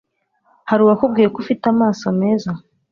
Hari uwakubwiye ko ufite amaso meza